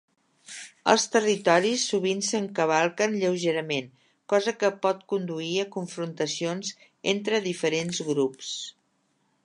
Els territoris sovint s'encavalquen lleugerament, cosa que pot conduir a confrontacions entre diferents grups.